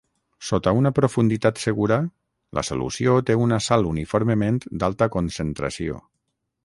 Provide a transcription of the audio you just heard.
Sota una profunditat segura, la solució té una sal uniformement d'alta concentració.